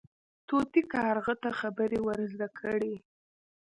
طوطي کارغه ته خبرې ور زده کړې.